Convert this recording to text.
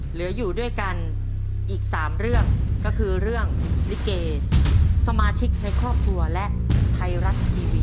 เหลืออยู่ด้วยกันอีก๓เรื่องก็คือเรื่องลิเกสมาชิกในครอบครัวและไทยรัฐทีวี